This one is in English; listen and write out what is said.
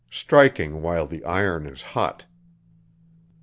STRIKING WHILE THE IRON IS HOT.